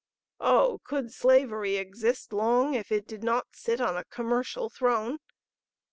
Oh, could slavery exist long if it did not sit on a commercial throne?